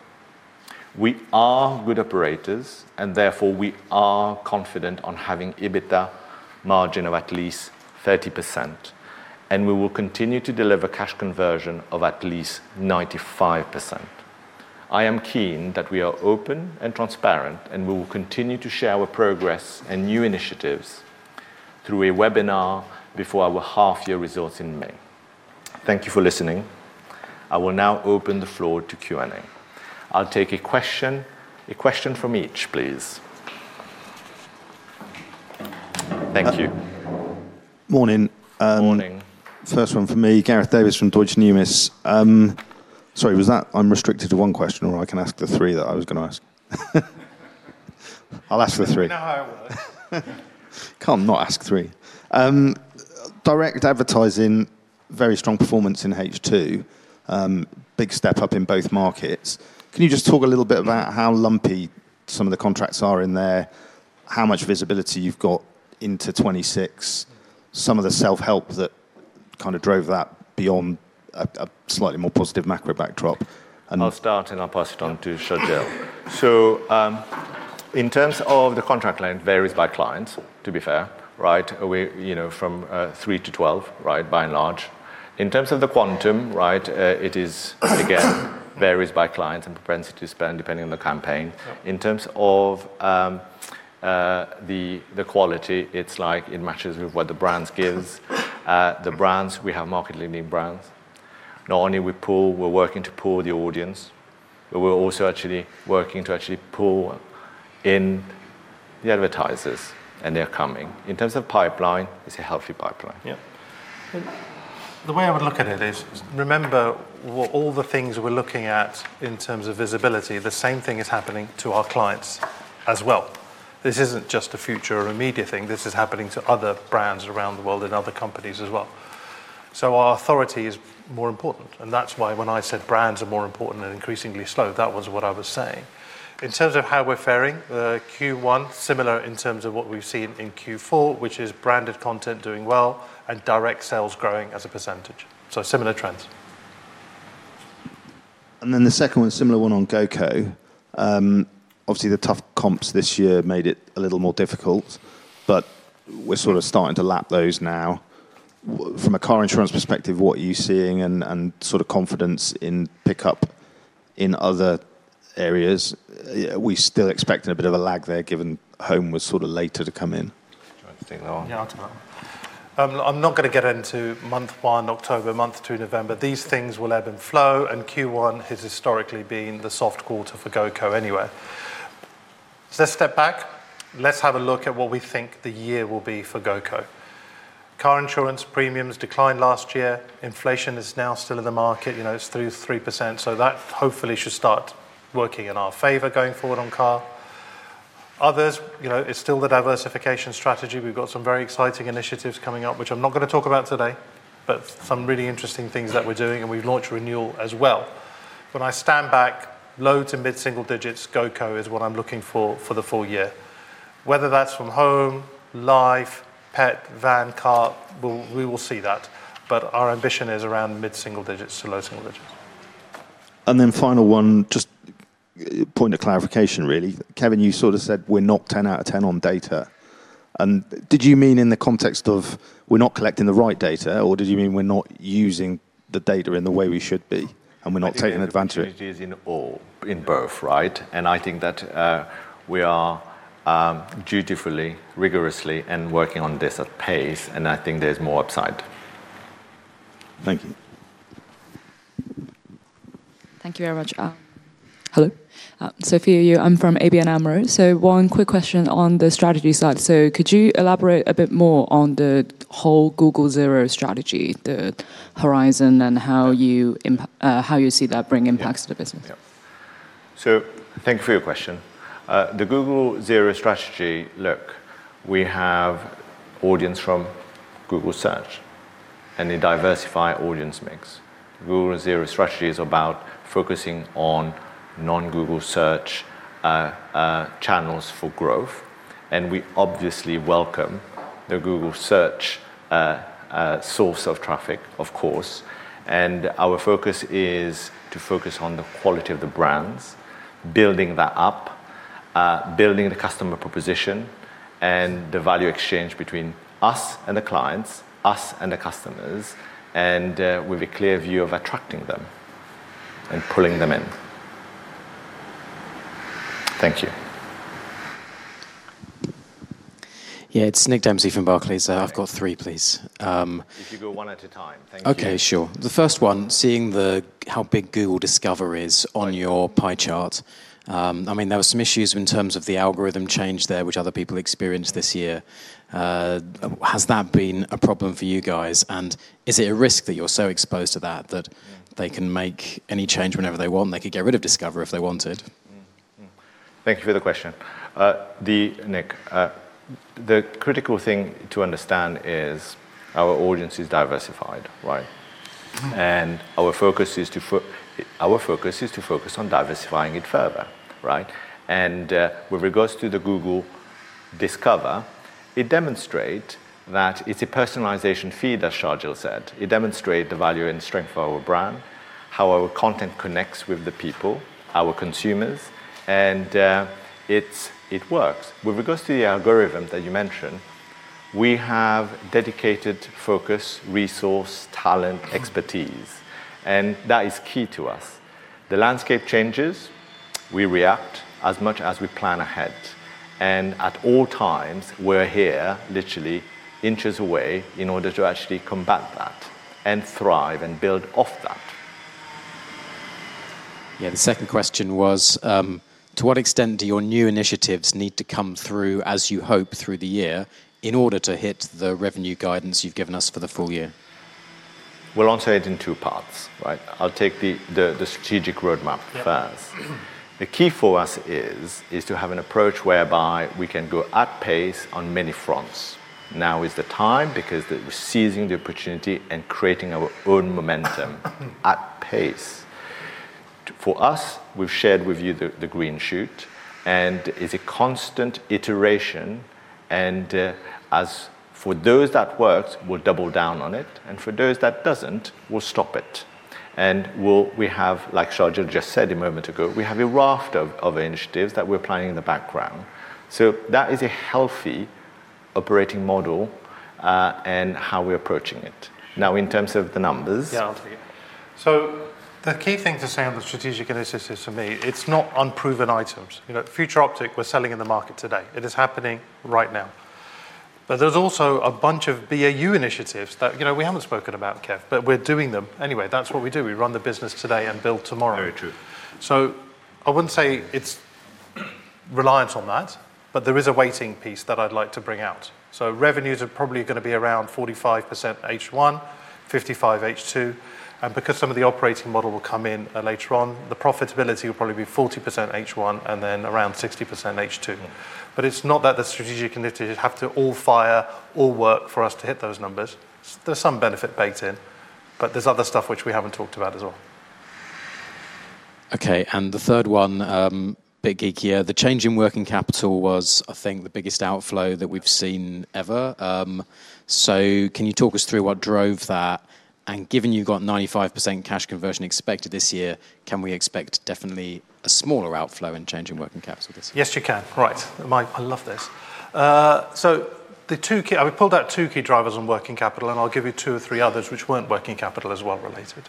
We are good operators, and therefore we are confident on having EBITDA margin of at least 30%. And we will continue to deliver cash conversion of at least 95%. I am keen that we are open and transparent, and we will continue to share our progress and new initiatives through a webinar before our half-year results in May. Thank you for listening. I will now open the floor to Q&A. I'll take a question, a question from each, please. Thank you. Morning. Morning. First one for me, Gareth Davis from Deutsche Numis. Sorry, was that I'm restricted to one question, or I can ask the three that I was going to ask. I'll ask the three. No, I won't. Come on, not ask three. Direct advertising, very strong performance in H2, big step up in both markets. Can you just talk a little bit about how lumpy some of the contracts are in there, how much visibility you've got into 2026, some of the self-help that kind of drove that beyond a slightly more positive macro backdrop? I'll start, and I'll pass it on to Sharjeel. In terms of the contract length, it varies by client, to be fair, right? From 3%-12%, right, by and large. In terms of the quantum, right, it is, again, varies by clients and propensity to spend depending on the campaign. In terms of the quality, it's like it matches with what the brand gives. The brands, we have market-leading brands. Not only we pull, we're working to pull the audience, but we're also actually working to actually pull in the advertisers, and they're coming. In terms of pipeline, it's a healthy pipeline. Yeah. The way I would look at it is, remember all the things we're looking at in terms of visibility, the same thing is happening to our clients as well. This isn't just a Future or immediate thing. This is happening to other brands around the world and other companies as well. Our authority is more important. And that's why when I said brands are more important and increasingly so, that was what I was saying. In terms of how we're faring, Q1, similar in terms of what we've seen in Q4, which is branded content doing well and direct sales growing as a percentage. Similar trends. Then the second one, similar one on Go.Compare. Obviously, the tough comps this year made it a little more difficult, but we're sort of starting to lap those now. From a car insurance perspective, what are you seeing and sort of confidence in pickup in other areas? We're still expecting a bit of a lag there given home was sort of later to come in. I think they are. Yeah, I'll come out. I'm not going to get into month one, October, month two, November. These things will ebb and flow. Q1 has historically been the soft quarter for Go.Compare anyway. Let's step back. Let's have a look at what we think the year will be for Go.Compare. Car insurance premiums declined last year. Inflation is now still in the market. It's through 3%. So that hopefully should start working in our favor going forward on car. Others, it's still the diversification strategy. We've got some very exciting initiatives coming up, which I'm not going to talk about today, but some really interesting things that we're doing. And we've launched Renewal as well. When I stand back, low to mid-single digits, Go.Compare is what I'm looking for for the full year. Whether that's from home, life, pet, van, car, we will see that. But our ambition is around mid-single digits to low single digits. And then final one, just point of clarification, really. Kevin, you sort of said we're not 10/10 on data. Did you mean in the context of we're not collecting the right data, or did you mean we're not using the data in the way we should be and we're not taking advantage of it? We're not using it all, in both, right? I think that we are dutifully, rigorously working on this at pace. I think there's more upside. Thank you. Thank you very much. Hello. For you, I'm from ABN AMRO. One quick question on the strategy side. Could you elaborate a bit more on the whole Google-zero strategy, the horizon, and how you see that bringing impacts to the business? Yeah. Thank you for your question. The Google-zero strategy, look, we have audience from Google Search and a diversified audience mix. Google-zero strategy is about focusing on non-Google Search channels for growth. We obviously welcome the Google Search source of traffic, of course. Our focus is to focus on the quality of the brands, building that up, building the customer proposition, and the value exchange between us and the clients, us and the customers, and with a clear view of attracting them and pulling them in. Thank you. Yeah, it's Nick Dempsey from Barclays. I've got three, please. If you go one at a time. Thank you. Okay, sure. The first one, seeing how big Google Discover is on your pie chart. I mean, there were some issues in terms of the algorithm change there, which other people experienced this year. Has that been a problem for you guys? Is it a risk that you're so exposed to that that they can make any change whenever they want? They could get rid of Discover if they wanted. Thank you for the question. Nick, the critical thing to understand is our audience is diversified, right? And our focus is to focus on diversifying it further, right? And with regards to the Google Discover, it demonstrates that it's a personalization feed, as Sharjeel said. It demonstrates the value and strength of our brand, how our content connects with the people, our consumers. And it works. With regards to the algorithm that you mentioned, we have dedicated focus, resource, talent, expertise. And that is key to us. The landscape changes. We react as much as we plan ahead. And at all times, we're here literally inches away in order to actually combat that and thrive and build off that. Yeah, the second question was, to what extent do your new initiatives need to come through, as you hope, through the year in order to hit the revenue guidance you've given us for the full year? We'll answer it in two parts, right? I'll take the strategic roadmap first. The key for us is to have an approach whereby we can go at pace on many fronts. Now is the time because we're seizing the opportunity and creating our own momentum at pace. For us, we've shared with you the green shoot, and it's a constant iteration, and for those that works, we'll double down on it, and for those that doesn't, we'll stop it, and we have, like Sharjeel just said a moment ago, we have a raft of initiatives that we're planning in the background, so that is a healthy operating model and how we're approaching it. Now, in terms of the numbers. Yeah, I'll take it. The key thing to say on the strategic initiatives for me is it's not unproven items. Future Optic, we're selling in the market today. It is happening right now. But there's also a bunch of BAU initiatives that we haven't spoken about, Kev, but we're doing them. Anyway, that's what we do. We run the business today and build tomorrow. Very true. I wouldn't say it's reliant on that, but there is a weighting piece that I'd like to bring out. Revenues are probably going to be around 45% H1, 55% H2. Because some of the operating model will come in later on, the profitability will probably be 40% H1 and then around 60% H2. It's not that the strategic initiatives have to all fire, all work for us to hit those numbers. There's some benefit baked in, but there's other stuff which we haven't talked about as well. Okay, and the third one, a bit geekier, the change in working capital was, I think, the biggest outflow that we've seen ever. So can you talk us through what drove that? And given you've got 95% cash conversion expected this year, can we expect definitely a smaller outflow and change in working capital this year? Yes, you can. Right. I love this. I pulled out two key drivers on working capital, and I'll give you two or three others which weren't working capital as well related.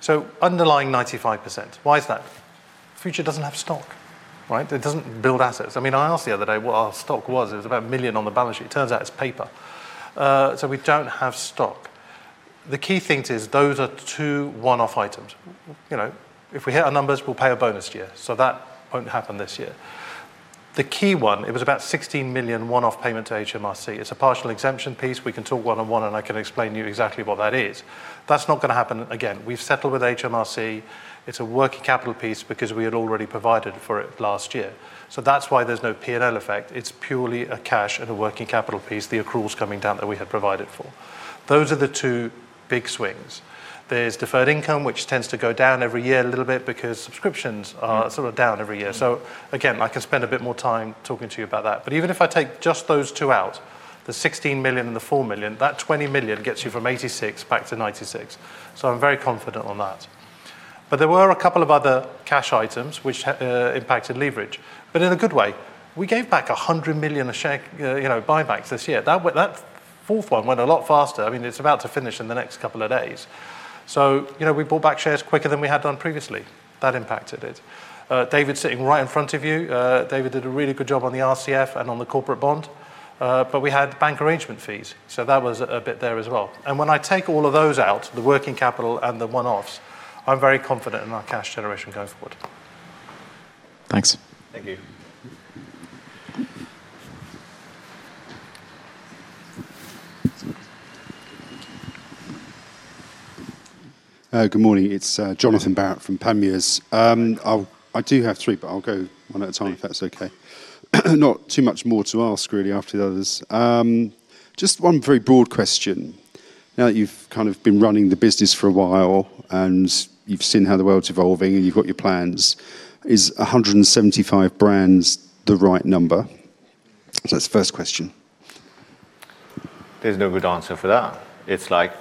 So underlying 95%, why is that? Future doesn't have stock, right? It doesn't build assets. I mean, I asked the other day what our stock was. It was about 1 million on the balance sheet. It turns out it's paper. We don't have stock. The key thing is those are two one-off items. If we hit our numbers, we'll pay a bonus year. So that won't happen this year. The key one, it was about 16 million one-off payment to HMRC. It's a partial exemption piece. We can talk one-on-one, and I can explain to you exactly what that is. That's not going to happen again. We've settled with HMRC. It's a working capital piece because we had already provided for it last year. So that's why there's no P&L effect. It's purely a cash and a working capital piece, the accruals coming down that we had provided for. Those are the two big swings. There's deferred income, which tends to go down every year a little bit because subscriptions are sort of down every year. So again, I can spend a bit more time talking to you about that. But even if I take just those two out, the 16 million and the 4 million, that 20 million gets you from 86 back to 96. I'm very confident on that. But there were a couple of other cash items which impacted leverage, but in a good way. We gave back 100 million buybacks this year. That fourth one went a lot faster. I mean, it's about to finish in the next couple of days. We bought back shares quicker than we had done previously. That impacted it. David's sitting right in front of you. David did a really good job on the RCF and on the corporate bond. But we had bank arrangement fees. So that was a bit there as well. And when I take all of those out, the working capital and the one-offs, I'm very confident in our cash generation going forward. Thanks. Thank you. Good morning. It's Johnathan Barrett from Panmure Liberum. I do have three, but I'll go one at a time if that's okay. Not too much more to ask, really, after the others. Just one very broad question. Now that you've kind of been running the business for a while and you've seen how the world's evolving and you've got your plans, is 175 brands the right number? So that's the first question. There's no good answer for that. It's like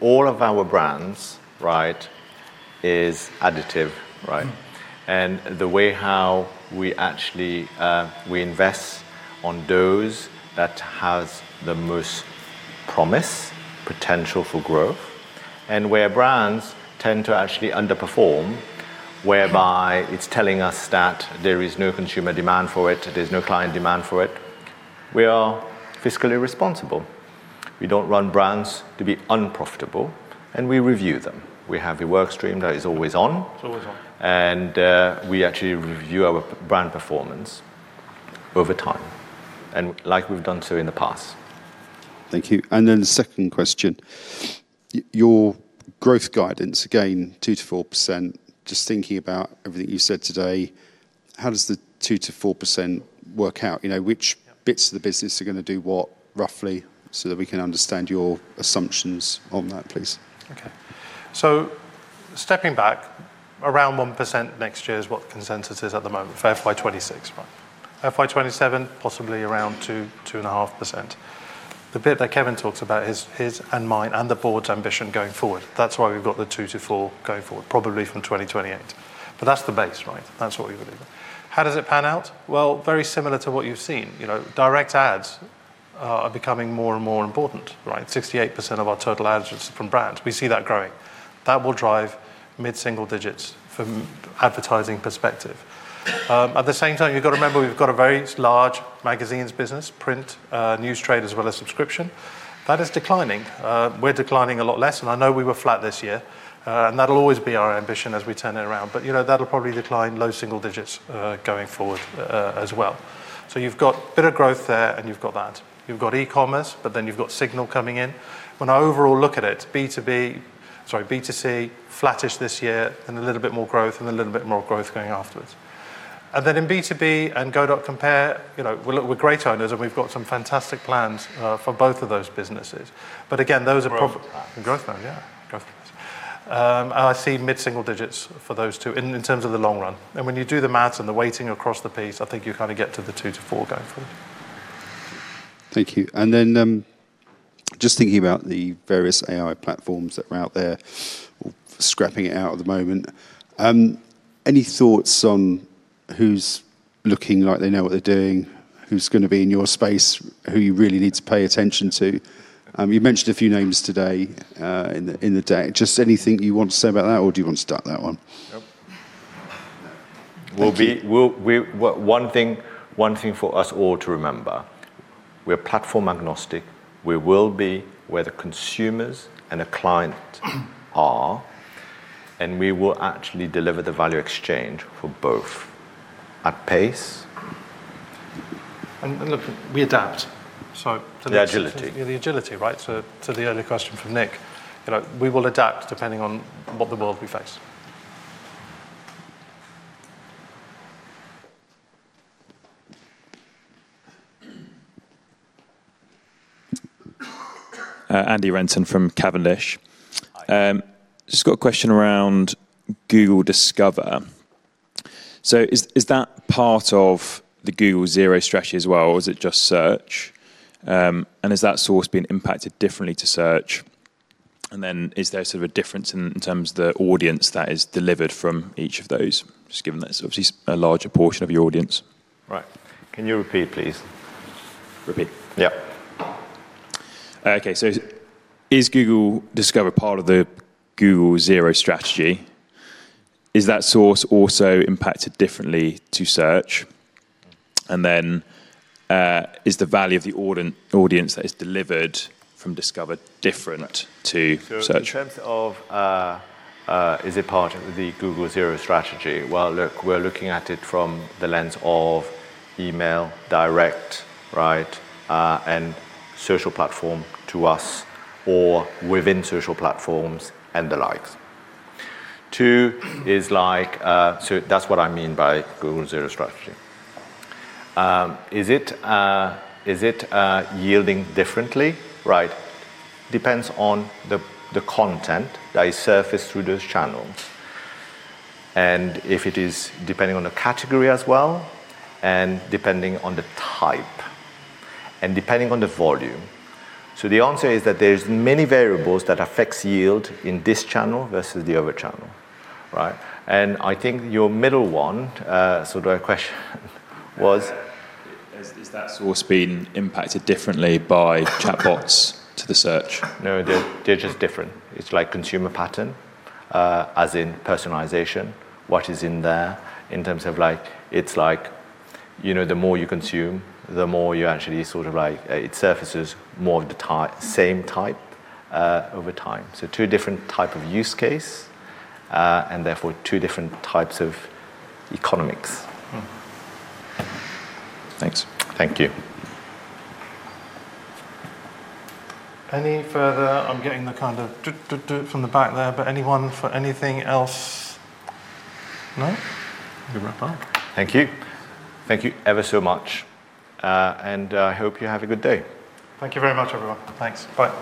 all of our brands, right, is additive, right? And the way how we actually invest on those that has the most promise, potential for growth, and where brands tend to actually underperform, whereby it's telling us that there is no consumer demand for it, there's no client demand for it, we are fiscally responsible. We don't run brands to be unprofitable, and we review them. We have a work stream that is always on. It's always on. And we actually review our brand performance over time, like we've done so in the past. Thank you, and then the second question, your growth guidance, again, 2%-4%, just thinking about everything you've said today, how does the 2%-4% work out? Which bits of the business are going to do what, roughly, so that we can understand your assumptions on that, please? Okay, so stepping back, around 1% next year is what consensus is at the moment, FY 2026, right? FY 2027, possibly around 2%-2.5%. The bit that Kevin talks about is his and mine and the board's ambition going forward. That's why we've got the 2%-4% going forward, probably from 2028. But that's the base, right? That's what we believe. How does it pan out? Well, very similar to what you've seen. Direct ads are becoming more and more important, right? 68% of our total ads are from brands. We see that growing. That will drive mid-single digits from advertising perspective. At the same time, you've got to remember we've got a very large magazines business, print, newstrade as well as subscription. That is declining. We're declining a lot less, and I know we were flat this year, and that'll always be our ambition as we turn it around, but that'll probably decline low single digits going forward as well, so you've got a bit of growth there, and you've got that. You've got e-commerce, but then you've got Signal coming in. When I overall look at it, B2B, sorry, B2C, flattish this year, then a little bit more growth, and a little bit more growth going afterwards. And then in B2B and Go.Compare, we're great owners, and we've got some fantastic plans for both of those businesses. But again, those are probably growth plans, yeah. Growth plans. And I see mid-single digits for those two in terms of the long run. And when you do the math and the weighting across the piece, I think you kind of get to the 2% to 4% going forward. Thank you. And then just thinking about the various AI platforms that are out there, scraping it out at the moment, any thoughts on who's looking like they know what they're doing, who's going to be in your space, who you really need to pay attention to? You mentioned a few names today in the day. Just anything you want to say about that, or do you want to start that one? One thing for us all to remember, we're platform agnostic. We will be where the consumers and the client are, and we will actually deliver the value exchange for both at pace. And look, we adapt. So the agility, right? To the earlier question from Nick, we will adapt depending on what the world we face. Andy Renton from Cavendish. Just got a question around Google Discover. So is that part of the Google-zero strategy as well, or is it just search? And has that source been impacted differently to search? And then is there sort of a difference in terms of the audience that is delivered from each of those, just given that it's obviously a larger portion of your audience? Right. Can you repeat, please? Repeat. Yeah. Okay. So is Google Discover part of the Google-zero strategy? Is that source also impacted differently to search? And then, is the value of the audience that is delivered from Discover different to search? In terms of, is it part of the Google-zero strategy? Well, look, we're looking at it from the lens of email direct, right, and social platform to us or within social platforms and the likes. Two is like, so that's what I mean by Google-zero strategy. Is it yielding differently, right? Depends on the content that is surfaced through those channels. And if it is depending on the category as well and depending on the type and depending on the volume. So the answer is that there's many variables that affect yield in this channel versus the other channel, right? And I think your middle one, so the question was? Is that source being impacted differently by chatbots to the search? No, they're just different. It's like consumer pattern, as in personalization, what is in there in terms of like it's like the more you consume, the more you actually sort of like it surfaces more of the same type over time. Two different type of use case and therefore two different types of economics. Thanks. Thank you. Any further? I'm getting the kind of from the back there, but anyone for anything else? No? We can wrap up. Thank you. Thank you ever so much, and I hope you have a good day. Thank you very much, everyone. Thanks. Bye.